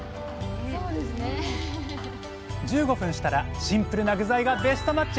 １５分したらシンプルな具材がベストマッチ！